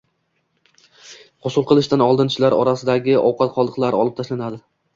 G‘usl qilishdan oldin tishlar orasidagi ovqat qoldiqlari olib tashlanadi.